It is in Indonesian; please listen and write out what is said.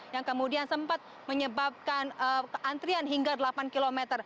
yang kemudian sempat menyebabkan antrian hingga delapan km